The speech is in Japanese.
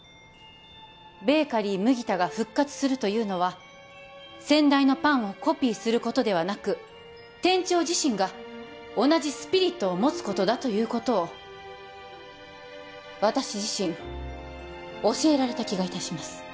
ベーカリー麦田が復活するというのは先代のパンをコピーすることではなく店長自身が同じスピリットを持つことだということを私自身教えられた気がいたします